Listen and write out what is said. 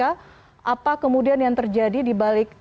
apa kemudian yang terjadi dibalik